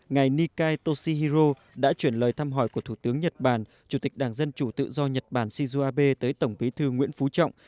ngài nikai toshihiro đã chuyển lời thăm hỏi của thủ tướng nhật bản chủ tịch đảng dân chủ tự do nhật bản shinzo abe tới tổng bí thư nguyễn phú trọng